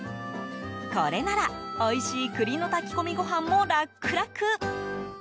これならおいしい栗の炊き込みご飯もラックラク。